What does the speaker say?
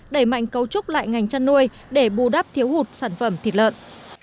đẩy mạnh cấu trúc lại ngành chăn nuôi để bù đắp thiếu hụt sản phẩm thịt lợn